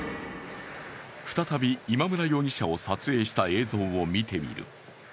再び今村容疑者を撮影した映像を見てみる。